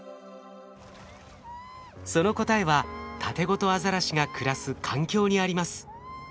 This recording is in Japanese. その答えはタテゴトアザラシが暮らす環境にあります。